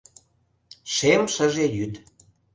Шем шыже йӱд.